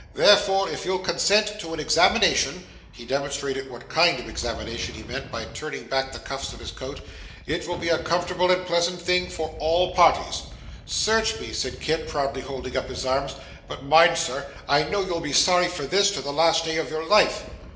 Therefore if you'll consent to an examination,' he demonstrated what kind of examination he meant by turning back the cuffs of his coat, 'it will be a comfortable and pleasant thing for all parties.' 'Search me,' said Kit, proudly holding up his arms. 'But mind, sir I know you'll be sorry for this, to the last day of your life.